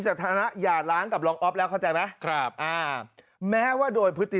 สถานะอย่าล้างกับรองอ๊อฟแล้วเข้าใจไหมครับอ่าแม้ว่าโดยพฤติ